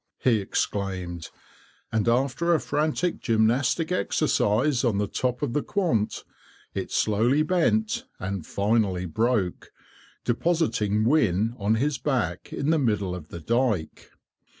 he exclaimed, and after a frantic gymnastic exercise on the top of the quant, it slowly bent, and finally broke, depositing Wynne on his back in the middle of the dyke.